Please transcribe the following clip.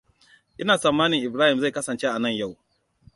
Ina tsammanin Ibrahim zai kasance anan yau.